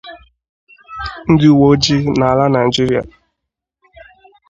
ndị uweojii n'ala Nigeria